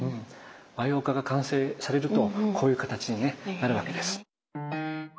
和様化が完成されるとこういう形にねなるわけです。